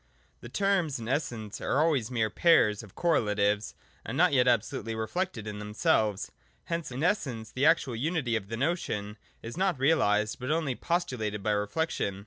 112.] The terms in Essence are always mere pairs of correlatives, and not yet absolutely reflected in them selves : hence in essence the actual unity of the notion is not realised, but only postulated by reflection.